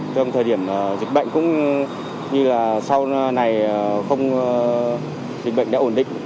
trong thời điểm dịch bệnh cũng như là sau này không dịch bệnh đã ổn định